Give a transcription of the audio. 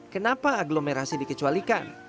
kenapa aglomerasi dikecualikan